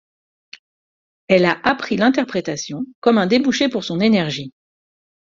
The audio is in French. Elle a appris l'interprétation comme un débouché pour son énergie.